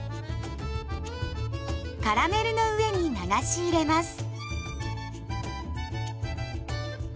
カラメルの上に流し入れます。